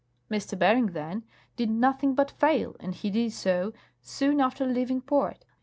" M. Bering, then, did nothing but fail, and he did so soon after leaving port.